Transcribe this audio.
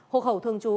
hộ khẩu thường trú